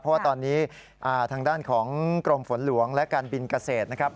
เพราะว่าตอนนี้ทางด้านของกรมฝนหลวงและการบินเกษตรนะครับ